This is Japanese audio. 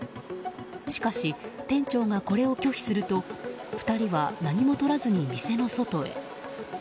しかし、店長がこれを拒否すると２人は何もとらずに店の外へ。